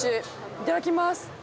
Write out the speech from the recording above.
いただきます。